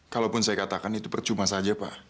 kalaupun saya katakan itu percuma saja pak